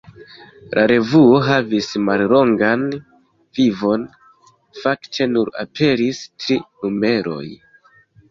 La revuo havis mallongan vivon: fakte nur aperis tri numeroj.